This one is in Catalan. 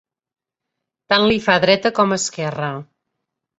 Tant li fa dreta com esquerra.